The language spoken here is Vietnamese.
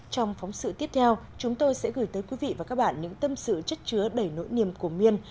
trong phóng sự tiếp theo chúng tôi sẽ gửi tới quý vị và các bạn những tâm sự chất chứa đầy nỗi niềm của miên